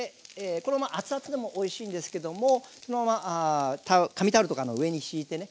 このまま熱々でもおいしいんですけどもそのまま紙タオルとかの上に敷いてね